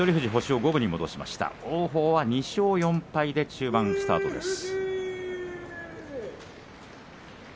王鵬は２勝４敗で中盤スタートです。